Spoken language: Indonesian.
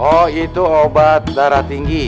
oh itu obat darah tinggi